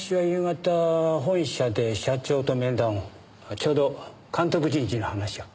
ちょうど監督人事の話を。